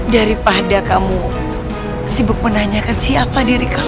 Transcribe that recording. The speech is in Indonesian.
daripada kamu sibuk menanyakan siapa diri kamu